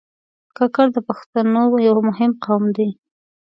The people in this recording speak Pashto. کاکړ د پښتنو یو مهم قوم دی.